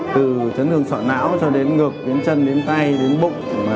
từ chấn thương sọ não cho đến ngực đến chân đến tay đến bụng